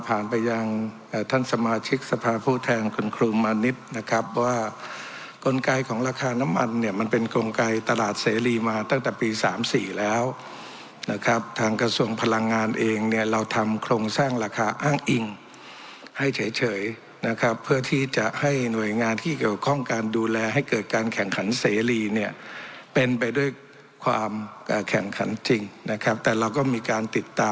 ไปยังท่านสมาชิกสภาผู้แทนคุณครูมานิดนะครับว่ากลไกของราคาน้ำมันเนี่ยมันเป็นกลไกตลาดเสรีมาตั้งแต่ปี๓๔แล้วนะครับทางกระทรวงพลังงานเองเนี่ยเราทำโครงสร้างราคาอ้างอิงให้เฉยนะครับเพื่อที่จะให้หน่วยงานที่เกี่ยวข้องการดูแลให้เกิดการแข่งขันเสรีเนี่ยเป็นไปด้วยความแข่งขันจริงนะครับแต่เราก็มีการติดตาม